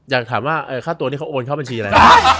อยากถามว่าค่าตัวนี่เขาเอาเป็นข้อบ้านชีอะไร